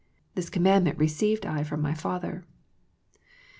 This commandment received I from My Father."